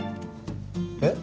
えっ？